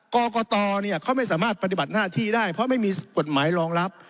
กรกตเขาไม่สามารถปฏิบัติหน้าที่ได้เพราะไม่มีกฎหมายรองรับ